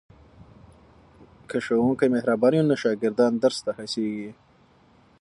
که ښوونکی مهربان وي نو شاګردان درس ته هڅېږي.